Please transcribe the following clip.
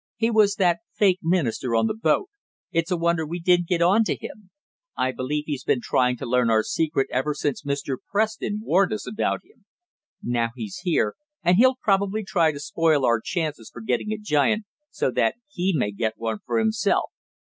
He was that fake minister on the boat. It's a wonder we didn't get on to him. I believe he's been trying to learn our secret ever since Mr. Preston warned us about him. Now he's here and he'll probably try to spoil our chances for getting a giant so that he may get one for himself.